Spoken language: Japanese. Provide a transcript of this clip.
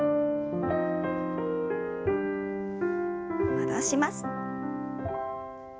戻します。